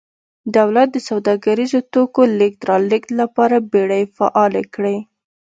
دولت د سوداګریزو توکو لېږد رالېږد لپاره بېړۍ فعالې کړې